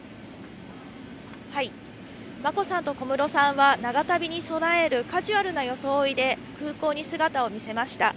眞子さんと小室さんは、長旅に備えるカジュアルな装いで空港に姿を見せました。